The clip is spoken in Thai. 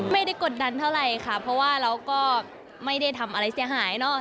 กดดันเท่าไหร่ค่ะเพราะว่าเราก็ไม่ได้ทำอะไรเสียหายเนอะ